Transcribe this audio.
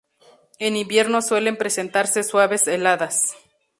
En invierno suelen presentarse suaves heladas.